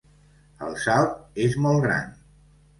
El salt és molt gran.